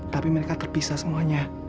tapi mereka terpisah semuanya